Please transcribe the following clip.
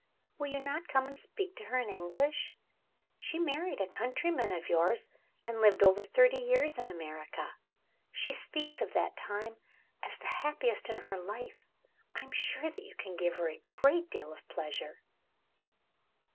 Will you not come and speak to her in English? She married a countryman of yours, and lived over thirty years in America. She speaks of that time as the happiest in her life. I am sure that you can give her a great deal of pleasure."